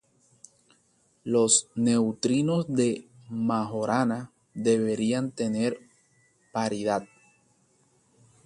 Los neutrinos de Majorana deberían tener paridad ±i.